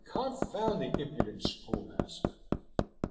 Confound the impudent schoolmaster!"